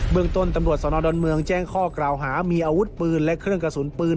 เมืองต้นตำรวจสนดอนเมืองแจ้งข้อกล่าวหามีอาวุธปืนและเครื่องกระสุนปืน